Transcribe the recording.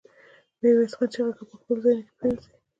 ميرويس خان چيغه کړه! په خپلو ځايونو کې پرېوځي.